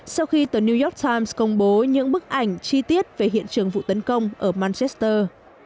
sau khi tờ new york times công bố những bức ảnh chi tiết về hiện trường vụ tấn công ở machester